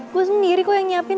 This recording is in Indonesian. gue sendiri kok yang nyiapin